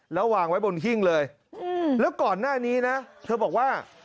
แล้ววางไว้บนหิ้งเลยแล้วก่อนหน้านี้นะเธอบอกว่า